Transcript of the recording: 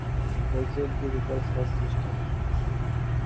রয়েছে digital sound system.